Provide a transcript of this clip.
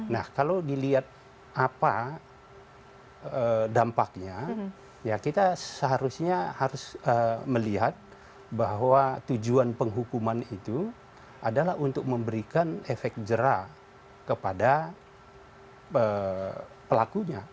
nah kalau dilihat apa dampaknya ya kita seharusnya harus melihat bahwa tujuan penghukuman itu adalah untuk memberikan efek jerah kepada pelakunya